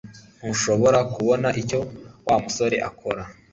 Ntushobora kubona icyo Wa musore akora